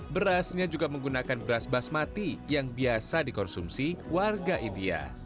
berasnya juga menggunakan beras basmati yang biasa dikonsumsi warga india